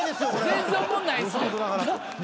全然おもんない。